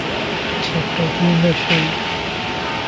چې پردي نشئ.